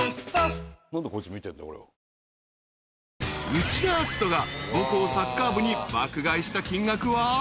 ［内田篤人が高校サッカー部に爆買いした金額は］